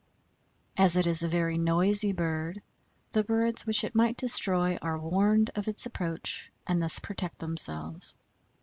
As it is a very noisy bird, the birds which it might destroy are warned of its approach, and thus protect themselves.